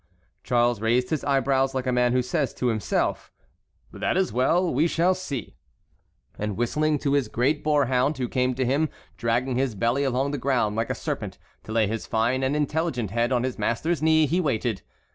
Charles raised his eyebrows like a man who says to himself: "That is well; we shall see;" and whistling to his great boar hound, who came to him dragging his belly along the ground like a serpent to lay his fine and intelligent head on his master's knee, he waited.